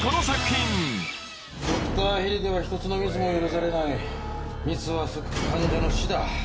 「ドクターヘリでは一つのミスも許されない」「ミスは即患者の死だ」